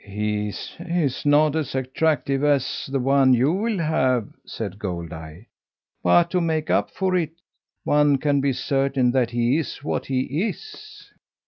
"He's not as attractive as the one you will have," said Goldeye. "But to make up for it, one can be certain that he is what he is."